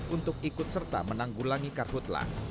untuk ikut serta menanggulangi karhutlah